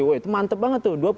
wah itu mantep banget tuh